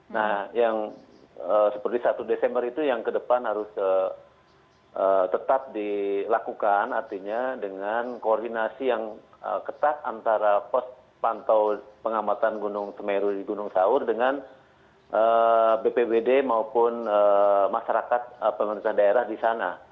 nah yang seperti satu desember itu yang ke depan harus tetap dilakukan artinya dengan koordinasi yang ketat antara pos pantau pengamatan gunung semeru di gunung sahur dengan bpbd maupun masyarakat pemerintah daerah di sana